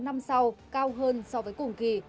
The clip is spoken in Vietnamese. năm sau cao hơn so với cùng kỳ